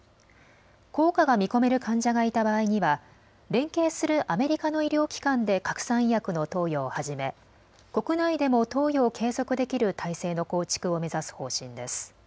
効果が見込める患者がいた場合には連携するアメリカの医療機関で核酸医薬の投与を始め国内でも投与を継続できる体制の構築を目指す方針です。